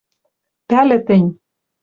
ПӒЛӸ ТӸНЬ